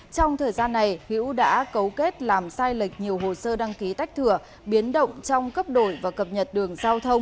trong thời gian này hữu đã cấu kết làm sai lệch nhiều hồ sơ đăng ký tách thừa biến động trong cấp đổi và cập nhật đường giao thông